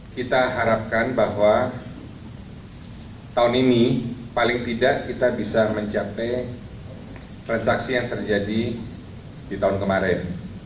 kita harapkan bahwa tahun ini paling tidak kita bisa mencapai transaksi yang terjadi di tahun kemarin